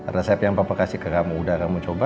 resep yang papa kasih ke kamu udah kamu coba